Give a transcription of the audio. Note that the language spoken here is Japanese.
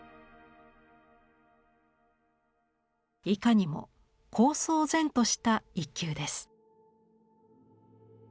いかにも高僧然とした一休です。